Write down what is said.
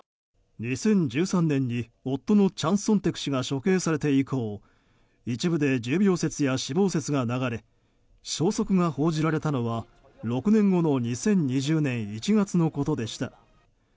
２０１３年に夫のチャン・ソンテク氏が処刑されて以降一部で重病説や死亡説が流れ消息が報じられたのは、６年後の２０２０年１月のことでした。